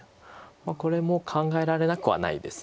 これも考えられなくはないです。